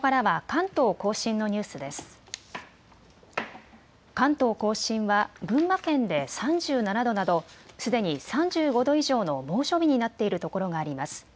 関東甲信は群馬県で３７度などすでに３５度以上の猛暑日になっているところがあります。